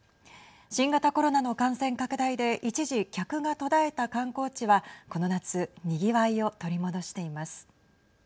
新型コロナの感染拡大で一時、客が途絶えた観光地はこの夏にぎわいを取り戻しています。